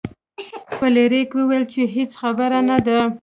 فلیریک وویل چې هیڅ خبره نه ده.